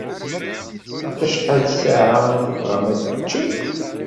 Ɣef wacḥal ssaɛa i tebɣam ad teččem?